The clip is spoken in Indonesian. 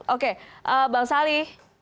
oke bang sali